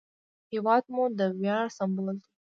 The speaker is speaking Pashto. هېواد مو د ویاړ سمبول دی